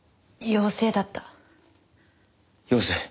陽性？